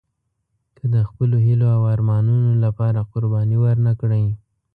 که د خپلو هیلو او ارمانونو لپاره قرباني ورنه کړئ.